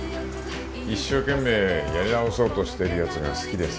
・一生懸命やり直そうとしてるやつが好きでさ